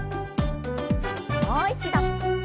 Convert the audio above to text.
もう一度。